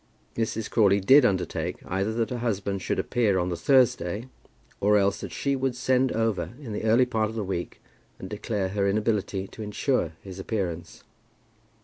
Mrs. Crawley did undertake either that her husband should appear on the Thursday, or else that she would send over in the early part of the week and declare her inability to ensure his appearance.